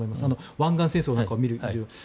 湾岸戦争なんかを見て。